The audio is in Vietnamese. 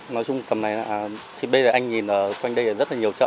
nói chung tầm này thì bây giờ anh nhìn ở quanh đây là rất là nhiều chợ